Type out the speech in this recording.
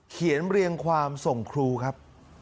เรียงความส่งครูครับ